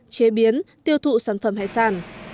chế biến tiêu thụ sản phẩm hải sản